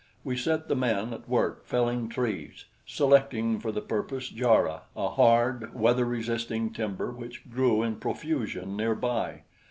We set the men at work felling trees, selecting for the purpose jarrah, a hard, weather resisting timber which grew in profusion near by.